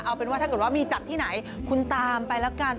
เอาเป็นว่าถ้าเกิดว่ามีจัดที่ไหนคุณตามไปแล้วกัน